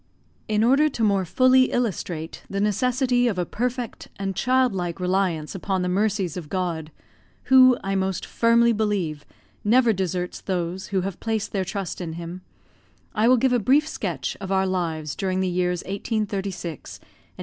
In order to more fully illustrate the necessity of a perfect and child like reliance upon the mercies of God who, I most firmly believe, never deserts those who have placed their trust in Him I will give a brief sketch of our lives during the years 1836 and 1837.